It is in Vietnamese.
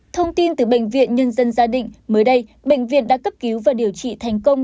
thông tin từ bệnh viện nhân dân gia định mới đây bệnh viện đã cấp cứu và điều trị thành công